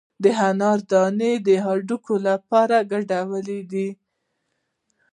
د انار دانې د هډوکو لپاره ګټورې دي.